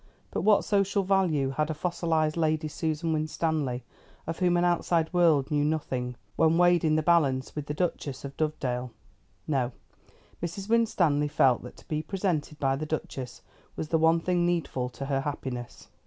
But what social value had a fossilised Lady Susan Winstanley, of whom an outside world knew nothing, when weighed in the balance with the Duchess of Dovedale? No; Mrs. Winstanley felt that to be presented by the Duchess was the one thing needful to her happiness.